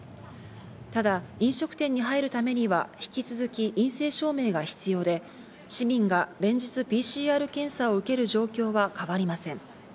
ただ、飲食店に入るためには引き続き陰性証明が必要で、市民が連日ＰＣＲ検査を受ける状況は変わりません。